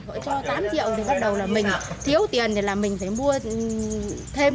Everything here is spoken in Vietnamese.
gọi cho tám triệu thì bắt đầu là mình thiếu tiền thì là mình phải mua thêm